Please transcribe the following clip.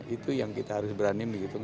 itu yang kita harus berani menghitung